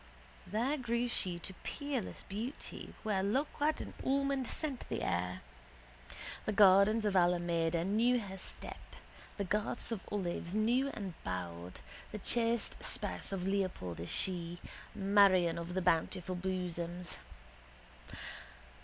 There grew she to peerless beauty where loquat and almond scent the air. The gardens of Alameda knew her step: the garths of olives knew and bowed. The chaste spouse of Leopold is she: Marion of the bountiful bosoms.